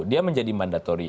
dia menjadi mandatori